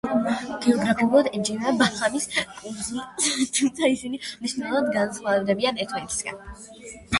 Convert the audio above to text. ამ ტერიტორიაზე შემავალი კუნძულები გეოგრაფიულად ემიჯნება ბაჰამის კუნძულებს, თუმცა ისინი მნიშვნელოვნად განსხვავდებიან ერთმანეთისგან.